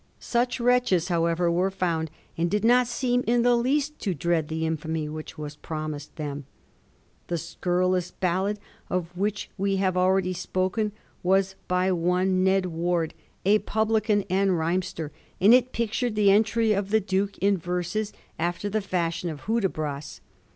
Such wretches, how ever, were found, and did not seem in the least to dread the infamy which was promised them. The scurrilous ballad of which we have already spoken was by one Ned Ward, a publican and rhymester, and it pictured the entry of the Duke in verses after the fashion of Hudibras.